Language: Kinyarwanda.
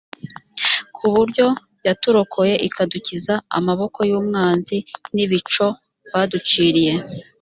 ku buryo yaturokoye ikadukiza amaboko y umwanzi n ibico baduciriye